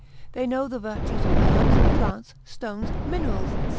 They know the virtues of herbs, plants, stones, minerals, &c.